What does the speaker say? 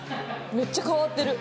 めっちゃ変わってる。